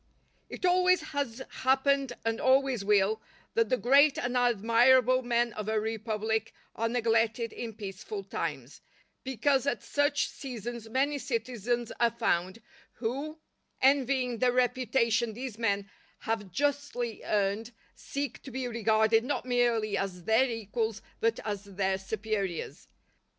_ It always has happened and always will, that the great and admirable men of a republic are neglected in peaceful times; because at such seasons many citizens are found, who, envying the reputation these men have justly earned, seek to be regarded not merely as their equals but as their superiors.